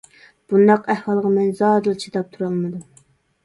بۇنداق ئەھۋالغا مەن زادىلا چىداپ تۇرالمىدىم.